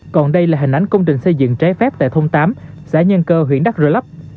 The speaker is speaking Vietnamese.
còn đây là hình ảnh công trình xây dựng trái phép tại thông tám xã nhân cơ huyện đắk rồi lấp